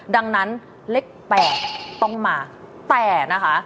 ดังนั้นเลข๘ต้องมาแต่นะคะ